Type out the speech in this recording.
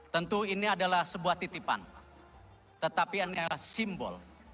tentu ini adalah sebuah titipan tetapi ini adalah simbol